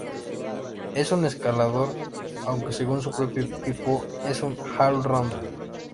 Es un escalador, aunque según su propio equipo es un "all-rounder".